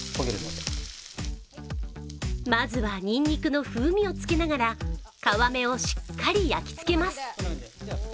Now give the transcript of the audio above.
まずはにんにくの風味をつけながら皮目をしっかり焼きつけます。